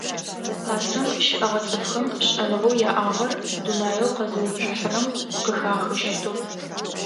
Пасэм щыӏэгъэ цӏыфхэм шӏэныгъэу яӏагъэр дунаеу къэзыуцухьэрэм къыхахыщтыгъ.